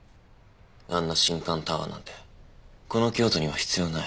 あんな新館タワーなんてこの京都には必要ない。